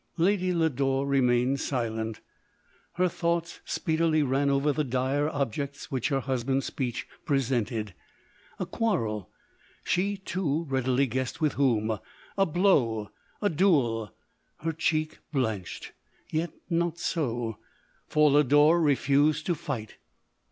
11 Lady Lodore remained silent. Her thoughts speedily ran over the dire objects which her hus band's speech presented. A quarrel — she too readily guessed with whom — a blow, a duel ; her cheek blanched — yet not so ; for Lodore refused to fight.